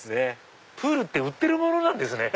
プールって売ってるんですね。